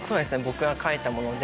僕が描いたもので。